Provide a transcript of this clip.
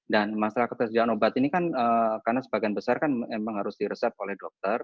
dan masalah ketersediaan obat ini kan karena sebagian besar kan memang harus diresep oleh dokter